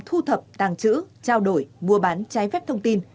thu thập tàng chữ trao đổi mua bán trái phép thông tin